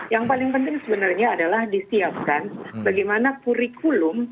yang paling penting sebenarnya adalah disiapkan bagaimana kurikulum